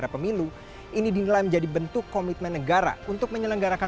pemilu serentak dua ribu dua puluh